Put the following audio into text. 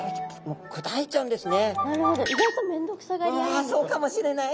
うわそうかもしれない。